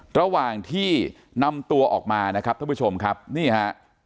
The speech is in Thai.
ระหว่างที่นำตัวออกมานะครับท่านผู้ชมครับนี่ฮะ